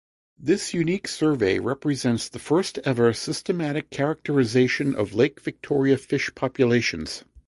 This unique survey represents the first ever systematic characterisation of Lake Victoria fish populations.